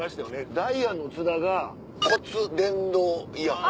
ダイアンの津田が骨伝導イヤホン。